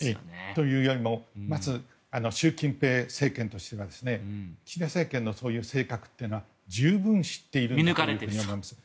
というよりもまず習近平政権としては岸田政権のそういう政策というのは十分知っていると思います。